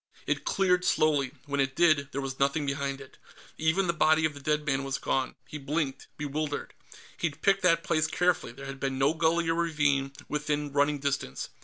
It cleared, slowly; when it did, there was nothing behind it. Even the body of the dead man was gone. He blinked, bewildered. He'd picked that place carefully; there had been no gully or ravine within running distance.